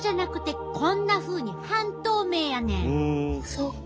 そっか。